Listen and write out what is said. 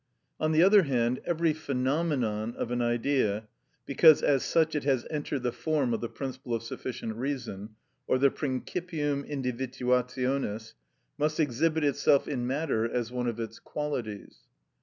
On the other hand, every phenomenon of an Idea, because as such it has entered the form of the principle of sufficient reason, or the principium individuationis, must exhibit itself in matter, as one of its qualities.